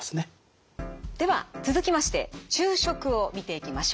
では続きまして昼食を見ていきましょう。